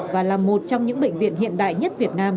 và là một trong những bệnh viện hiện đại nhất việt nam